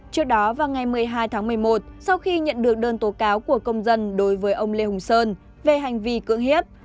trước đó vào ngày một mươi hai tháng một mươi một sau khi nhận được đơn tố cáo của công dân đối với ông lê hùng sơn về hành vi cưỡng hiếp